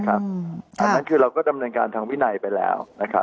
อันนั้นคือเราก็ดำเนินการทางวินัยไปแล้ว